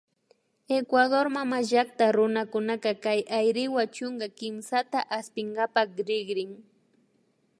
Ecuador mamallakta runakunaka kay Ayriwa chunka kimsata aspinkapak rikrin